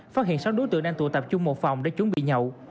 phát hiện sáu đối tượng đang tụ tập trung một phòng để chuẩn bị nhậu